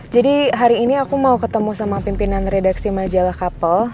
jadi hari ini aku mau ketemu sama pimpinan redaksi majalah kapel